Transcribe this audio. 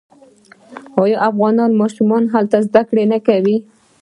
آیا افغان ماشومان هلته زده کړې نه کوي؟